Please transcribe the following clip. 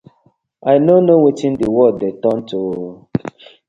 I no kno wetin di world dey turn to ooo.